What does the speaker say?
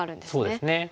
そうですね。